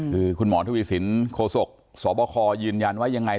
คือคุณหมอทวีสินโคศกสบคยืนยันว่ายังไง